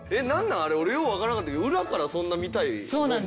あれ俺ようわからんかったけど裏からそんな見たいもんなの？